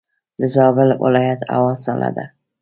دزابل ولایت هوا سړه ده.